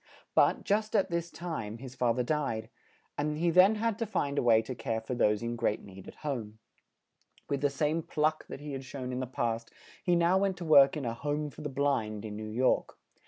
But, just at this time, his fa ther died; and he then had to find a way to care for those in great need at home. With the same pluck that he had shown in the past, he now went to work in a "Home for the Blind," in New York.